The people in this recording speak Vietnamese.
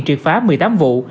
triệt phá một mươi tám vụ